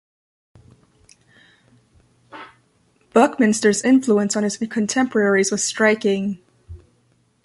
Buckminster's influence on his contemporaries was striking.